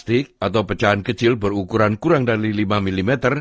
pembuatan plastik kecil berukuran kurang dari lima mm